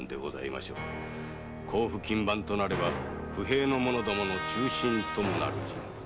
甲府勤番となれば不平の者どもの中心ともなる人物。